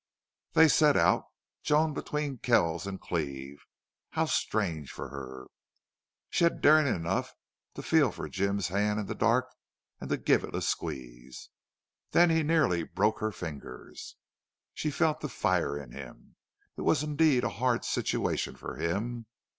They set out, Joan between Kells and Cleve. How strange for her! She had daring enough to feel for Jim's hand in the dark and to give it a squeeze. Then he nearly broke her fingers. She felt the fire in him. It was indeed a hard situation for him.